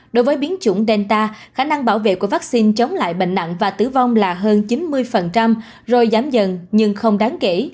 đối với biến chủng delta khả năng bảo vệ của vaccine chống lại bệnh nặng và tử vong là hơn chín mươi rồi giảm dần nhưng không đáng kể